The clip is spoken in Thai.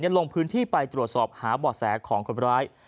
ลงพื้นที่ไปตรวจสอบหาบ่อแสของคนร้าย